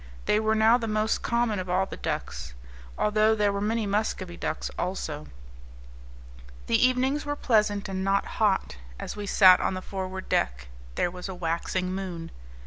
These were now the most common of all the ducks, although there were many muscovy ducks also. The evenings were pleasant and not hot, as we sat on the forward deck; there was a waxing moon.